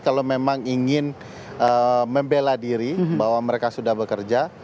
kalau memang ingin membela diri bahwa mereka sudah bekerja